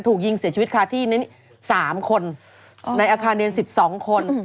ถูกยิงเสียชีวิตคาที่๓คนในอาคารเรียน๑๒คน